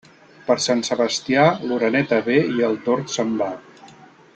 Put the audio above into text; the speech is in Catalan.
Per Sant Sebastià, l'oreneta ve i el tord se'n va.